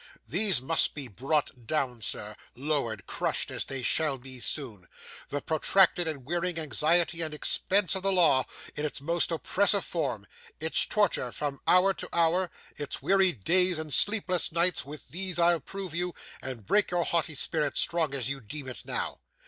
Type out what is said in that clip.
These must be brought down, sir, lowered, crushed, as they shall be soon. The protracted and wearing anxiety and expense of the law in its most oppressive form, its torture from hour to hour, its weary days and sleepless nights, with these I'll prove you, and break your haughty spirit, strong as you deem it now.